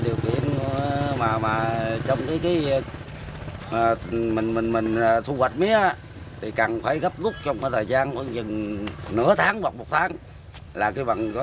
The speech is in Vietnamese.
điều kiện mà mình thu hoạch mía thì cần phải gấp gút trong thời gian nửa tháng hoặc một tháng